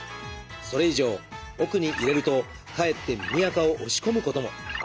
それ以上奥に入れるとかえって耳あかを押し込むことも。